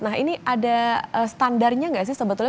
nah ini ada standarnya nggak sih sebetulnya